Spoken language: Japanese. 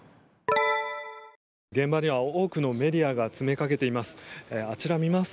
現場には多くのメディアが詰めかけています。